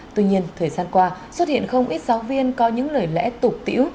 tuy nhiên thời gian qua xuất hiện không ít giáo viên có những lời lẽ tục tiễu